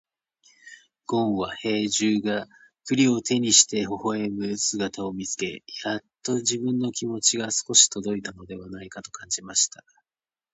ごんは兵十が栗を手にして微笑む姿を見つけ、やっと自分の気持ちが少し届いたのではないかと感じました。